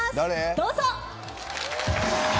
どうぞ。